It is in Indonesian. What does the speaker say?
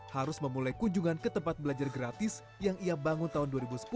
harus memulai kunjungan ke tempat belajar gratis yang ia bangun tahun dua ribu sepuluh